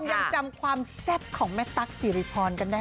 ยังจำความแซ่บของแม่ตั๊กสิริพรกันได้